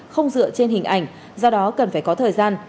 không dựa trên hình ảnh do đó cần phải có thời gian